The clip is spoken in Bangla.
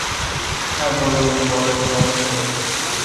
আমি বললুম, বল কী অমূল্য!